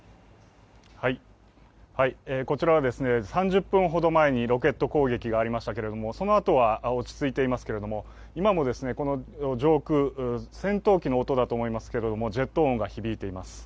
こちらは３０分ほど前にロケット攻撃がありましたけれども、そのあとは落ち着いていますけれども、今も上空、戦闘機の音だと思いますけどジェット音が響いています。